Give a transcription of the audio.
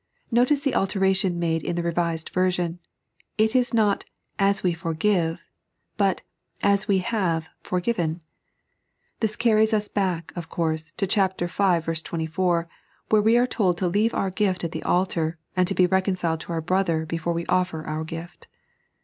Kotice the alteration made in the Revised Version ; it is not " As we forgive," but " As we kaoe forgiven." This ouries ua back, of course, to chap. V. 24, where we are told to leave our gift at the altar, and to be reconciled to our brother before we ofier our gift.